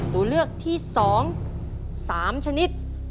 ตัวเลือกที่สองสามชนิด